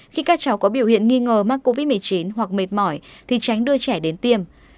khi các cháu có biểu hiện nghi ngờ mắc covid một mươi chín hoặc mệt mỏi thì tránh đưa trẻ đến tiêm